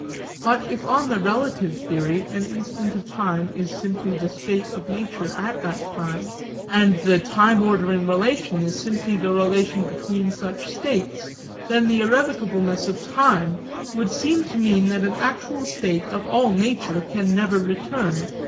But if on the relative theory an instant of time is simply the state of nature at that time, and the time ordering relation is simply the relation between such states, then the irrevocableness of time would seem to mean that an actual state of all nature can never return.